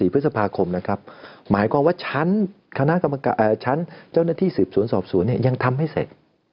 ๒๔พฤษภาคมนะครับหมายความว่าฉันเจ้าหน้าที่สืบสวนสอบสวนเนี่ยยังทำให้เสร็จ